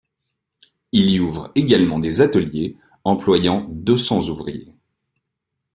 Il y ouvre également des ateliers employant deux-cents ouvriers.